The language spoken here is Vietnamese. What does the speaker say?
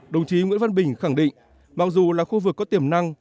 đồng chí nguyễn văn bình khẳng định mặc dù là khu vực có tiềm năng